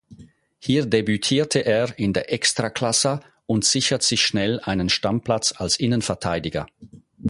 Hier debütierte er in der Ekstraklasa und sichert sich schnell einen Stammplatz als Innenverteidiger.